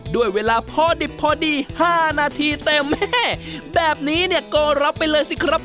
ด้วยเวลาพอดิบพอดี๕นาทีเต็มแม่แบบนี้เนี่ยก็รับไปเลยสิครับ